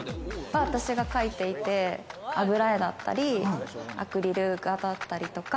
私が描いていて、油絵だったり、アクリル画だったりとか。